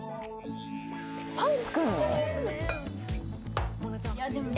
パン作るの？